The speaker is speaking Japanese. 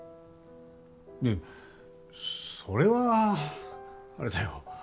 いやそれはあれだよ。